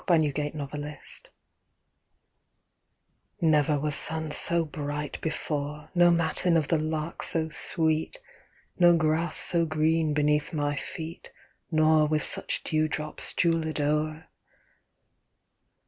A SUMMER MORNING Never was sun so bright before, No matin of the lark so sweet, No grass so green beneath my feet, Nor with such dewdrops jewelled o'er.